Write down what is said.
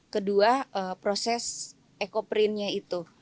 kedua proses ekoprintnya itu